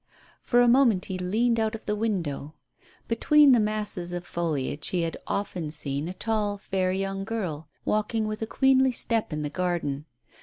For a moment he leaned out of the window. Between the masses of foliage he had often seen a tall, fair young girl walking with a queenly step in the garden.